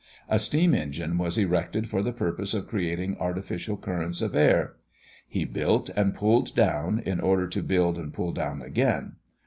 A steam engine was erected for the purpose of creating artificial currents of air. He built and pulled down, in order to build and pull down again.